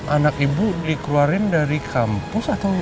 anak ibu dikeluarin dari kampus atau